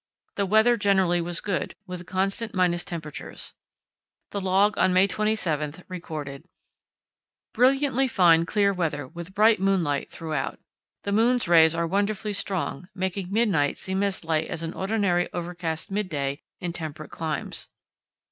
The weather generally was good, with constant minus temperatures. The log on May 27 recorded: "Brilliantly fine clear weather with bright moonlight throughout. The moon's rays are wonderfully strong, making midnight seem as light as an ordinary overcast midday in temperate climes.